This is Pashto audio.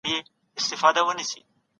که انلاین درس وي نو استعداد نه وژل کیږي.